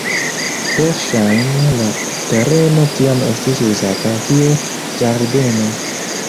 Verŝajne la tereno tiam estis uzata kiel ĝardeno.